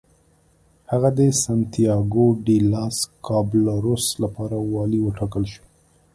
هغه د سنتیاګو ډي لاس کابالروس لپاره والي وټاکل شو.